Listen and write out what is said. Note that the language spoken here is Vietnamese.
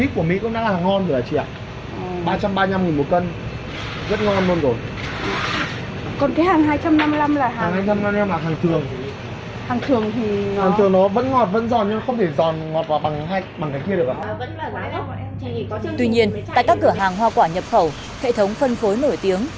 tuy nhiên tại các cửa hàng hoa quả nhập khẩu hệ thống phân phối nổi tiếng